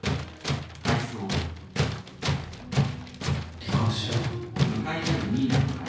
離婚しよう